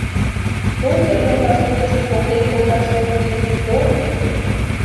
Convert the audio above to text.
То тыйым пасу гычын поктен колташ ок лий, то...